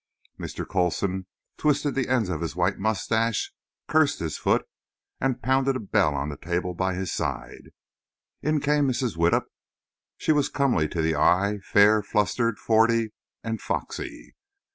Mr. Coulson twisted the ends of his white mustache, cursed his foot, and pounded a bell on the table by his side. In came Mrs. Widdup. She was comely to the eye, fair, flustered, forty and foxy.